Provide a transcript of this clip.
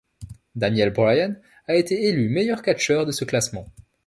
Daniel Bryan a été élu meilleur catcheur de ce classement.